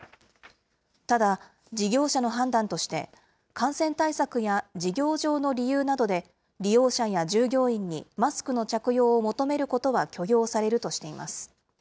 ただ、事業者の判断として、感染対策や事業上の理由などで、利用者や従業員にマスクの着用を求めることは許容されるとしています。